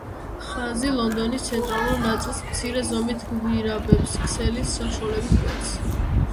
ხაზი ლონდონის ცენტრალურ ნაწილს მცირე ზომის გვირაბების ქსელის საშუალებით კვეთს.